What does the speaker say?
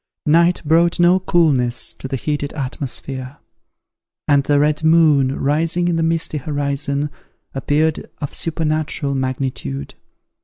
Night brought no coolness to the heated atmosphere; and the red moon rising in the misty horizon, appeared of supernatural magnitude.